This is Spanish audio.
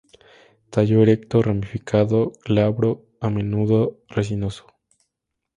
Tallo erecto, ramificado, glabro, a menudo resinoso.